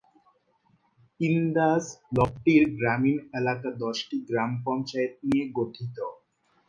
ইন্দাস ব্লকটির গ্রামীণ এলাকা দশটি গ্রাম পঞ্চায়েত নিয়ে গঠিত।